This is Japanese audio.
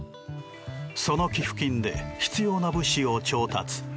その寄付金で必要な物資を調達。